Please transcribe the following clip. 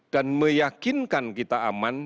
dan meyakinkan kita aman